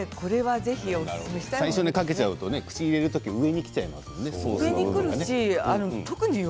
最初にかけちゃうと口に入れる時上にきちゃいますよね。